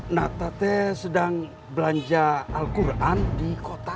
natta sedang belanja al quran di kota